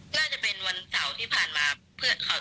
น่าจะเป็นวันเสาร์ที่ผ่านมาแม่โทรมาหาเพื่อนอีกคนหนึ่ง